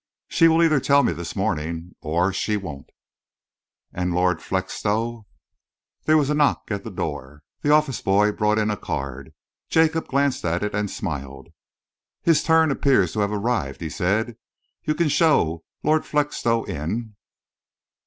She will either tell me this morning or she won't." "And Lord Felixstowe?" There was a knock at the door. The office boy brought in a card. Jacob glanced at it and smiled. "His turn appears to have arrived," he said. "You can show Lord Felixstowe in."